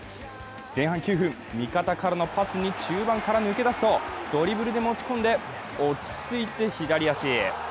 前半９分、味方からのパスに中盤から抜け出すとドリブルで持ち込んで落ち着いて左足。